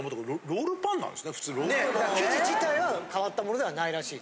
生地自体は変わったものではないらしい。